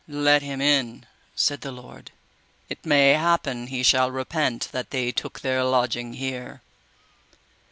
Let him in, said the lord, it may happen he shall repent that they took their lodging here.